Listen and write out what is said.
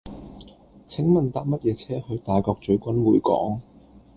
請問搭乜嘢車去大角嘴君匯港